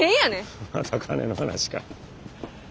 また金の話か。